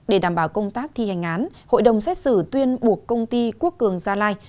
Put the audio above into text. để đảm bảo công tác thi hành án hội đồng xét xử tuyên buộc công ty quốc cường gia lai